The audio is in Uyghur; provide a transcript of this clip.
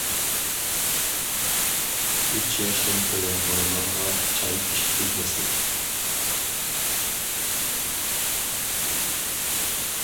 ئۈچ ياشتىن تۆۋەن بالىلارغا چاي ئىچكۈزمەسلىك.